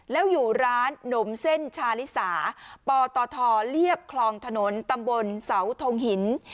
แล้วอยู่ร้านหนมเส้นชาลิสาปตทเรียบคลองถนนตำบลเสาทงหิน